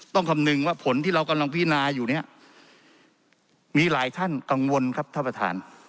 คำนึงว่าผลที่เรากำลังพินาอยู่เนี่ยมีหลายท่านกังวลครับท่านประธาน